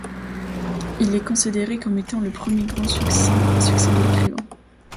Il est considéré comme étant le premier grand succès de l'écrivain.